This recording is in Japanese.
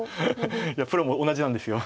いやプロも同じなんです。